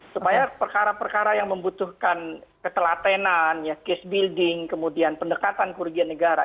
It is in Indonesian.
supaya perkara perkara yang membutuhkan ketelatenan case building kemudian pendekatan kerugian negara